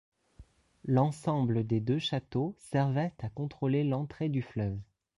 L'ensemble des deux châteaux servait à contrôler l'entrée du fleuve.